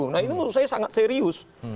nah ini menurut saya sangat serius